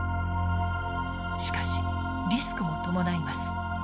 しかしリスクも伴います。